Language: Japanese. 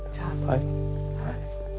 はい。